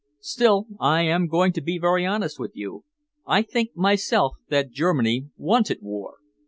Still, I am going to be very honest with you. I think myself that Germany wanted war."